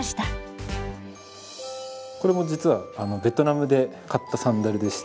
これも実はベトナムで買ったサンダルでして。